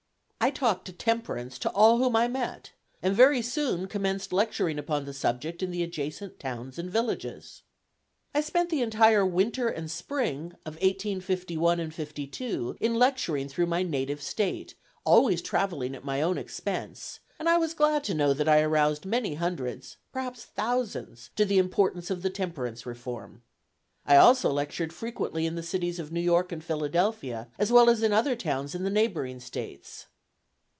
I talked temperance to all whom I met, and very soon commenced lecturing upon the subject in the adjacent towns and villages. I spent the entire winter and spring of 1851 2 in lecturing through my native State, always travelling at my own expense, and I was glad to know that I aroused many hundreds, perhaps thousands, to the importance of the temperance reform. I also lectured frequently in the cities of New York and Philadelphia, as well as in other towns in the neighboring States.